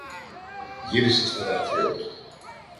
Γύρισε στο γραφείο του